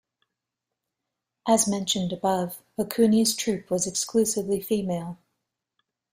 As mentioned above, Okuni's troupe was exclusively female.